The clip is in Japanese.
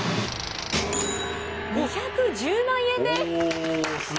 ２１０万円です！